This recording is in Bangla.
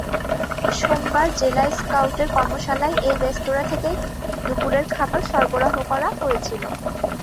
সোমবার জেলা স্কাউটের কর্মশালায় এই রেস্তোরাঁ থেকেই দুপুরের খাবার সরবরাহ করা হয়েছিল।